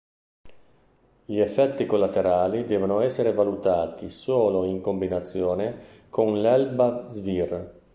Gli effetti collaterali devono essere valutati solo in combinazione con l'elbasvir.